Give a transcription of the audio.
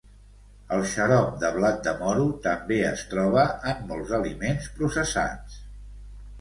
El xarop de blat de moro també es troba en molts aliments processats.